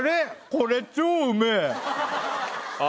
これ超うめあ